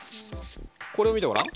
これを見てごらん。